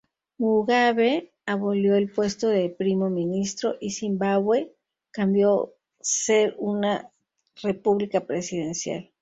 Mugabe abolió el puesto de primo ministro, y Zimbabue cambió ser una república presidencial.